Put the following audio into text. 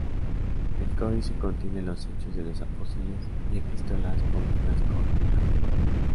El códice contiene los Hechos de los Apóstoles y Epístolas paulinas con lagunas.